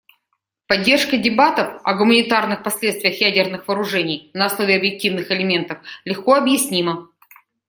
Поддержка дебатов о гуманитарных последствиях ядерных вооружений на основе объективных элементов легко объяснима.